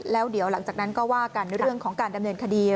แล้วเดี๋ยวหลังจากนั้นก็ว่ากันเรื่องของการดำเนินคดี